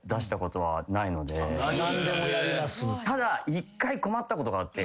ただ一回困ったことがあって。